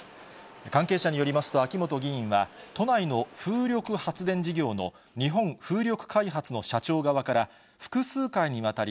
関係者によりますと、秋本議員は、都内の風力発電事業の日本風力開発の社長側から、複数回にわたり、